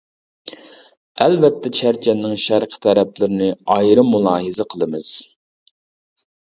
ئەلۋەتتە چەرچەننىڭ شەرقى تەرەپلىرىنى ئايرىم مۇلاھىزە قىلىمىز.